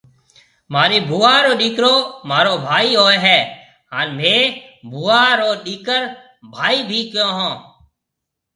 مهارِي ڀوُئا رو ڏِيڪرو مهارو ڀائي هوئيَ هيَ هانَ مهيَ ڀوُئا رو ڏِيڪر ڀائِي ڀِي ڪيون هون۔